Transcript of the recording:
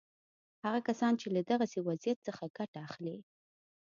هغه کسان چې له دغسې وضعیت څخه ګټه اخلي.